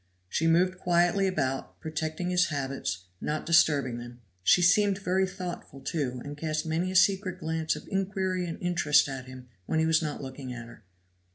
She moved quietly about, protecting his habits, not disturbing them; she seemed very thoughtful, too, and cast many a secret glance of inquiry and interest at him when he was not looking at her.